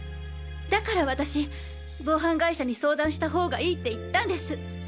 だから私防犯会社に相談した方がいいって言ったんです。